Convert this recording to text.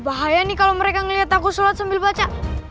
bahaya nih kalau mereka ngeliat aku sholat sambil baca